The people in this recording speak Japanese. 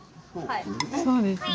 そうですね。